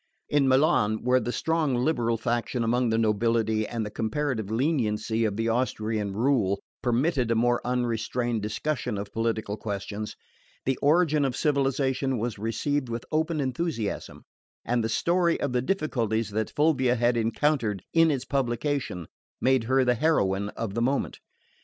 In Milan, where the strong liberal faction among the nobility, and the comparative leniency of the Austrian rule, permitted a more unrestrained discussion of political questions, the Origin of Civilisation was received with open enthusiasm, and the story of the difficulties that Fulvia had encountered in its publication made her the heroine of the moment.